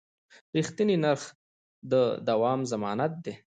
رښتیني نرخ د دوام ضمانت دی.